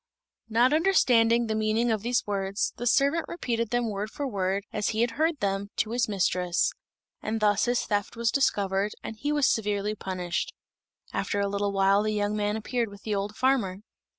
Not understanding the meaning of these words, the servant repeated them word for word, as he had heard them, to his mistress; and thus his theft was discovered, and he was severely punished. After a little while the young man appeared with the old farmer.